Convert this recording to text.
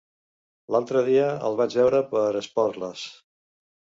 L'altre dia el vaig veure per Esporles.